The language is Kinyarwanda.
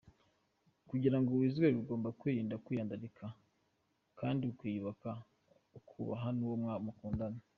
Kugira ngo wizerwe ugomba kwirinda kwiyandarika kandi ukiyubaha, ukubaha nuwo mukundana.